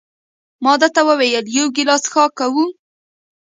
ما ده ته وویل: یو ګیلاس څښاک کوو؟